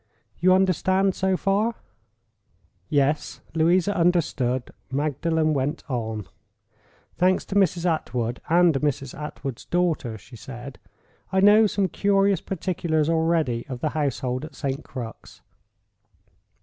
_ You understand, so far?" Yes—Louisa understood. Magdalen went on. "Thanks to Mrs. Attwood and Mrs. Attwood's daughter," she said, "I know some curious particulars already of the household at St. Crux.